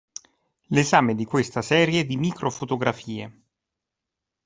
L'esame di questa serie di microfotografie.